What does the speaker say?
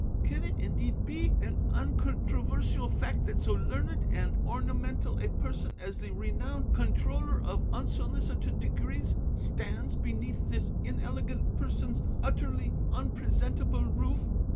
'Can it indeed be an uncontroversial fact that so learned and ornamental a person as the renowned Controller of Unsolicited Degrees stands beneath this inelegant person's utterly unpresentable roof!